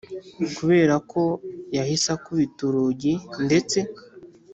kuberako yahise akubita urugi, ndetse